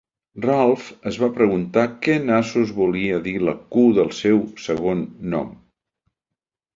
Ralph es va preguntar què nassos volia dir la Q del seu segon nom.